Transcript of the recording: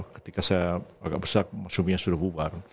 ketika saya agak besar suaminya sudah bubar